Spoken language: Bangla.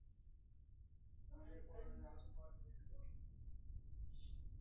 এখন ধলিয়া খালে একটি সেতু হলে তাঁদের কষ্ট অর্ধেক কমে যেত।